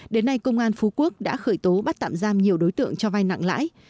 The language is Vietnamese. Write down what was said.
đến nay công an phú quốc đã khởi tố bắt tạm giam nhiều đối tượng cho vai nặng lãi